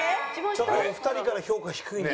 ちょっと２人から評価低いんだ。